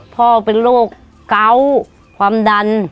พ่อเป็นโรคเกาะความดัน